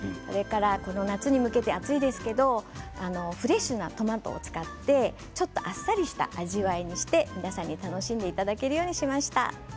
この夏に向けて暑いですけどフレッシュなトマトを使ってちょっとあっさりした味わいにして皆さんに楽しんでいただけるようにしました。